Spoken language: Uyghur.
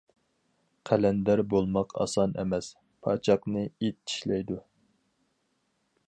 قەلەندەر بولماق ئاسان ئەمەس، پاچاقنى ئىت چىشلەيدۇ.